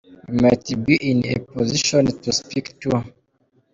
You might be in a position to speak to .